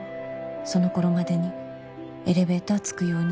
「その頃までにエレベーターつくように」